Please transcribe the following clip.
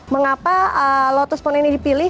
mengapa lotus pon ini dipilih